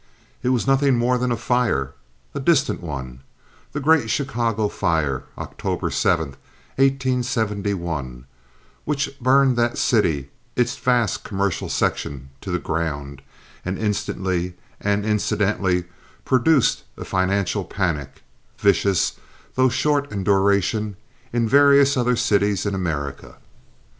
It was nothing more than a fire, a distant one—the great Chicago fire, October 7th, 1871, which burned that city—its vast commercial section—to the ground, and instantly and incidentally produced a financial panic, vicious though of short duration in various other cities in America.